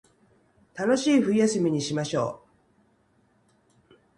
楽しい冬休みにしましょう